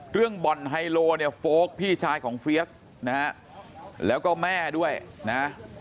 บ่อนไฮโลเนี่ยโฟลกพี่ชายของเฟียสนะฮะแล้วก็แม่ด้วยนะ